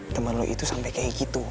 teman lo itu sampai kayak gitu